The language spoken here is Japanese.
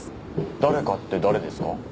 誰かって誰ですか？